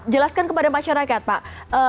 jelaskan kepada masyarakat pak